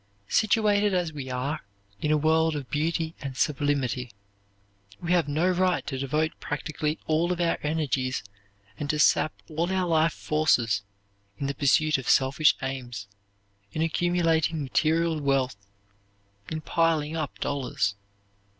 Situated as we are in a world of beauty and sublimity, we have no right to devote practically all of our energies and to sap all our life forces in the pursuit of selfish aims, in accumulating material wealth, in piling up dollars.